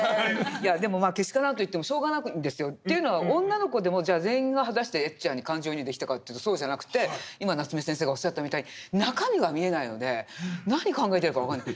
いやでもけしからんと言ってもしょうがないんですよ。というのは女の子でもじゃあ全員が果たしてエッちゃんに感情移入できたかというとそうじゃなくて今夏目先生がおっしゃったみたいに中身が見えないので何考えてるか分かんない。